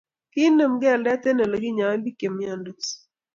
Kiinemu keldet eng ole kinyoen biik chepnyansot